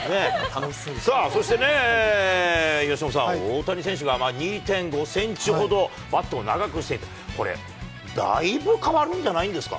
さあそしてね、由伸さん、大谷選手が２．５センチほど、バットを長くしていた、これ、だいぶ変わるんじゃないですか。